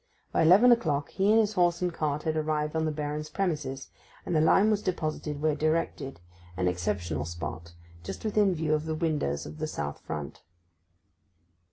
By eleven o'clock he and his horse and cart had arrived on the Baron's premises, and the lime was deposited where directed; an exceptional spot, just within view of the windows of the south front.